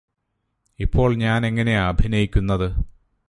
ഇപ്പോൾ ഞാനെങ്ങനെയാ അഭിനയിക്കുന്നത്